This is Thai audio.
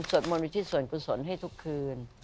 สวดมนต์อุทิศส่วนกุศลให้ทุกคืน